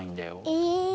え。